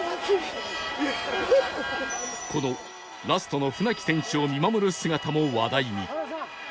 このラストの船木選手を見守る姿も話題に